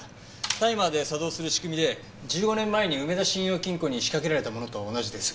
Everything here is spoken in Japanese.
タイマーで作動する仕組みで１５年前に梅田信用金庫に仕掛けられたものと同じです。